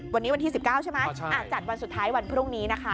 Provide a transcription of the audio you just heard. วันนี้วันที่๑๙ใช่ไหมจัดวันสุดท้ายวันพรุ่งนี้นะคะ